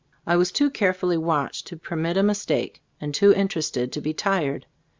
I was too care fully watched to permit a mistake, and too interested to be tired.